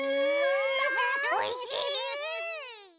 おいしい！